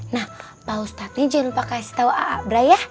nah pak ustadz nih jangan lupa kasih tahu a'abray ya